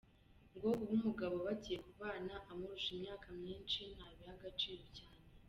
Ngo kuba umugabo bagiye kubana amurusha imyaka myinshi ntabiha agaciro cyane.